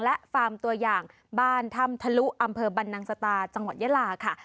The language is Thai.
และฟาร์มตัวอย่างบ้านถ้ำทะลุอำเภอบรรนังสตาจังหวัดยาลาค่ะ